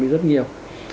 giảm đi rất nhiều